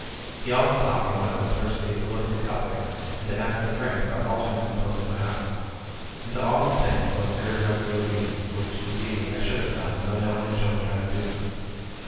He also taught me, when I was thirsty, to look at the cup bearer, and to ask for drink by alternately closing my eyes. And to all these things I was very readily obedient ; which, indeed, I should have done, though no one had shown me how to do them.